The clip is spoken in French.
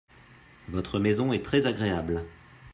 Votre maison est très agréable.